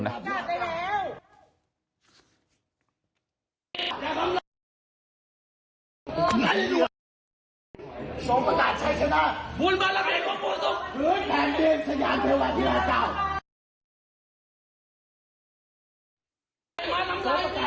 ไหนด้วยสมภาษาชัยชนะหรือแผนเบียนสยานเทวาทีละเก่า